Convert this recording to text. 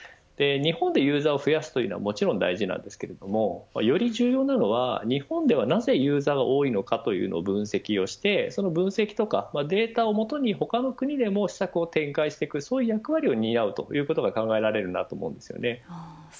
日本でユーザーを増やすというのはもちろん大事なんですけれどもより重要なのは日本ではなぜユーザーが多いのかというのを分析をしてその分析とか、データをもとに他の国でも施策を展開していくそういう役割を担うということが考えられるなと思うんですよね。